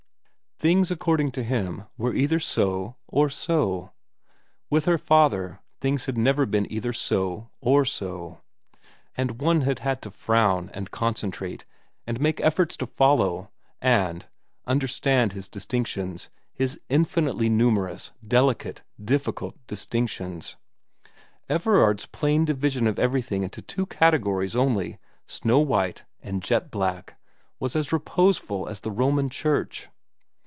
Things according to him were either so, or so. With her father things had never been either so, or so ; and one had had to frown, and concentrate, and make efforts to follow and*, .understand his distinctions, his infinitely numerous, delicate, difficult distinctions. Everard's plain division of every thing into two categories only, snow white and jet black, was as reposeful as the Roman church.